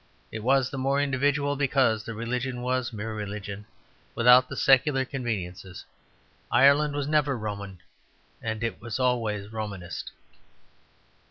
It was the more individual because the religion was mere religion, without the secular conveniences. Ireland was never Roman, and it was always Romanist.